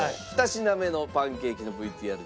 ２品目のパンケーキのＶＴＲです。